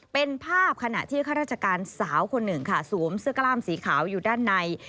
เป็นภาพขณะที่ข้าราชการสาวคนหนึ่งค่ะสวมเสื้อกล้ามสีขาวอยู่ด้านใน